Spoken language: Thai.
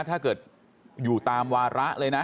ถ้าเกิดอยู่ตามวาระเลยนะ